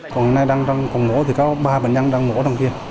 còn hôm nay đang đang ngủ thì có ba bệnh nhân đang ngủ đằng kia